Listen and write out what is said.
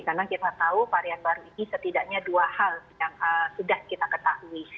karena kita tahu varian baru ini setidaknya dua hal yang sudah kita ketahui